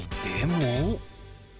でも。